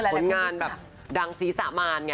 ผลงานแบบดังศีรษะมานไง